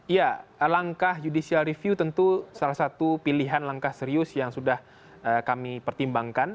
ya langkah judicial review tentu salah satu pilihan langkah serius yang sudah kami pertimbangkan